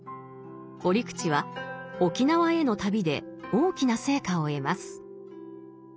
折口は沖縄への旅で大きな成果を得ます。